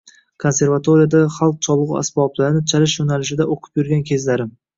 Konservatoriyada xalq cholg’u asboblarini chalish yo’nalishida o’qib yurgan kezlarim